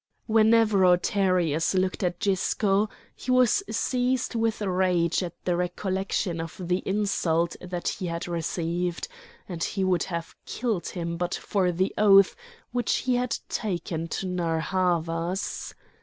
Whenever Autaritus looked at Gisco he was seized with rage at the recollection of the insult that he had received, and he would have killed him but for the oath which he had taken to Narr' Havas.